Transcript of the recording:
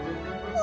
あ！